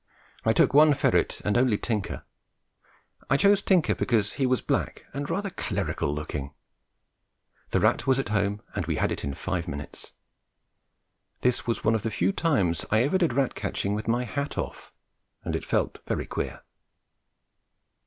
I took one ferret and only Tinker. I chose Tinker because he was black and rather clerical looking. The rat was at home, and we had it in five minutes. This was one of the few times I ever did rat catching with my hat off, and it felt very queer.